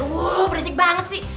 wuuu berisik banget sih